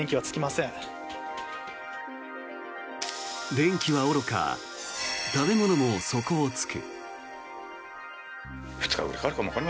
電気はおろか食べ物も底を突く。